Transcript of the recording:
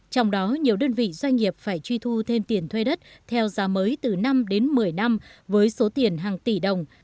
trong đó nhiều đơn vị doanh nghiệp phải truy thu thêm tiền thuê đất theo giá mới từ năm đến một mươi năm với số tiền hàng tỷ đồng